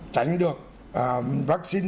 tránh được vaccine